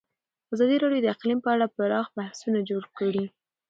ازادي راډیو د اقلیم په اړه پراخ بحثونه جوړ کړي.